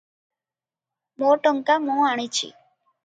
ମୋ ଟଙ୍କା ମୁଁ ଆଣିଛି ।"